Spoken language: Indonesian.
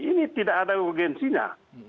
ini tidak ada urgensinya